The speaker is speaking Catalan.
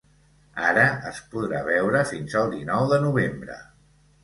Ara es podrà veure fins el dinou de novembre.